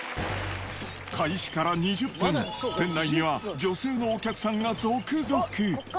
開始から２０分、店内には女性のお客さんが続々。